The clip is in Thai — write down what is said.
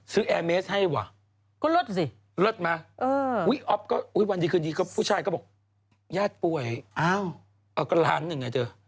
ซื้อแอร์เมสให้ว่ะรวดมาวันดีคือนี้ผู้ชายก็บอกญาติป่วยเอาก็ล้านหนึ่งไงเจอ